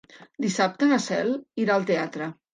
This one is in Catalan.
Dissabte na Cel irà al teatre.